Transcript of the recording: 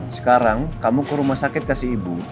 sekarang kamu ke rumah sakit kasih ibu